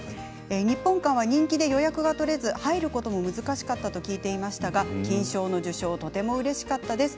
日本館は人気で予約が取れず、入ることも難しかったと聞いていましたが金賞の受賞はとてもうれしかったです。